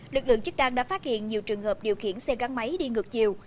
lực lượng chức đăng đã phát hiện nhiều trường hợp điều khiển xe gắn máy đi ngược chiều